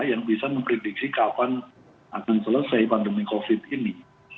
yang bisa memprediksi kapan akan selesai pandemi covid ini